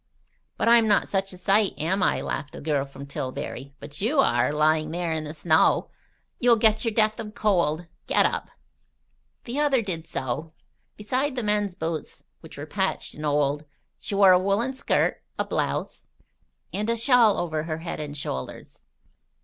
"But I'm not such a sight, am I?" laughed the girl from Tillbury. "But you are, lying there in the snow. You'll get your death of cold. Get up." The other did so. Beside the men's boots, which were patched and old, she wore a woollen skirt, a blouse, and a shawl over her head and shoulders.